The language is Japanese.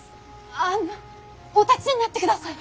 ああのお立ちになってください。